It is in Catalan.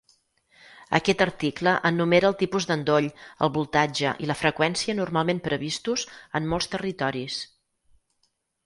Aquest article enumera el tipus d'endoll, el voltatge i la freqüència normalment previstos en molts territoris.